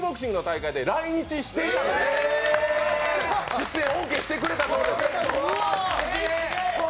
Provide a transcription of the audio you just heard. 出演オーケーしてくれたそうです。